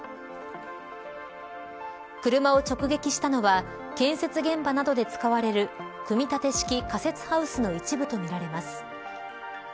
車を直撃したのは建設現場などで使われる組み立て式仮設ハウスの一部とみられます。